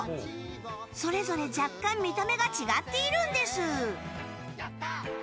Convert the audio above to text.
それぞれ、若干見た目が違っているんです。